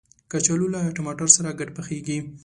کچالو له ټماټر سره ګډ پخیږي